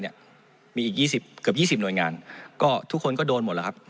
อีก๒๐เกือบ๒๐หน่วยงานก็ทุกคนก็โดนหมดแล้วครับ